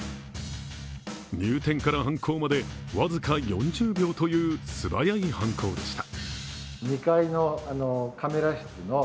入店から犯行まで僅か４０秒という素早い犯行でした。